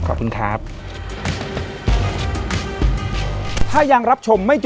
ขอบคุณครับ